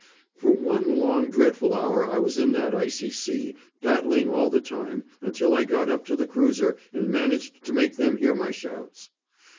For one long dreadful hour I was in that icy sea, battling all the time, until I got up to the cruiser and managed to make them hear my shouts.